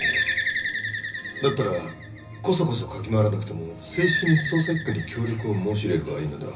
だったらコソコソ嗅ぎ回らなくても正式に捜査一課に協力を申し入れればいいのでは？